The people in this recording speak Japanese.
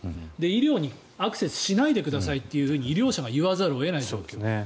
医療にアクセスしないでくださいって医療者が言わざるを得ない状況。